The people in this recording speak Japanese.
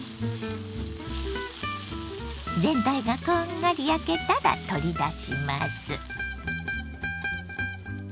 全体がこんがり焼けたら取り出します。